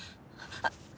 あっ